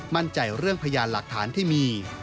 มั่นใจเรื่องพยานหลักฐานที่มี